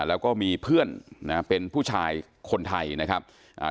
แล้วก็มีเพื่อนนะฮะเป็นผู้ชายคนไทยนะครับอ่า